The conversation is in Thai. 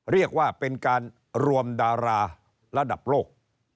เรียกว่าเป็นการรวมดาราระดับโลก